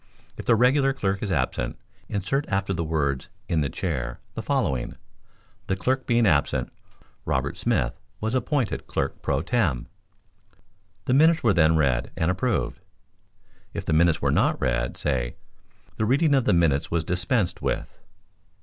If the regular clerk is absent, insert after the words "in the chair," the following: "The clerk being absent, Robert Smith was appointed clerk pro tem. The minutes were then read and approved." If the minutes were not read, say "the reading of the minutes was dispensed with."